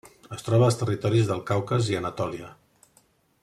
Es troba als territoris del Caucas i Anatòlia.